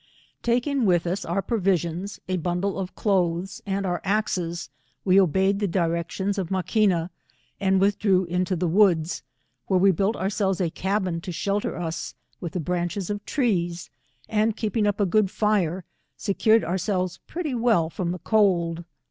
Taking with as our provisions, a bundle of clothes, and oar axes, we obeyed the directions of Maqaina, and withdrew into the woods, where we boilt oarselves a cabin to shelter us, with the branches of trees, and keep ing up a good fire, seeared ourselves pretty well from the cold.